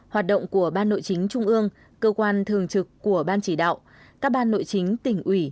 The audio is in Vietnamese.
hoạt động của ban nội chính trung ương cơ quan thường trực của ban chỉ đạo các ban nội chính tỉnh ủy